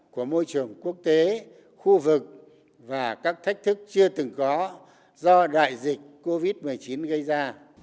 của môi trường quốc tế khu vực và các thách thức chưa từng có do đại dịch covid một mươi chín gây ra